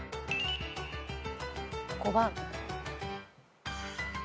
５番。